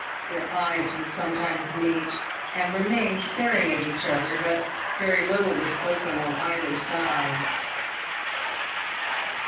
Their eyes would sometimes meet, and remain staring at each other, but very little was spoken on either side.